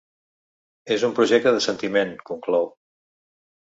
“És un projecte de sentiment”, conclou.